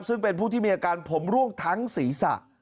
ซึ่งเป็นผู้ที่มีอาการผมร่วงทั้งศีรษะ